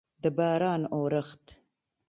د باران اورښت